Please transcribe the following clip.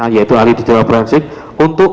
yaitu ahli digital forensik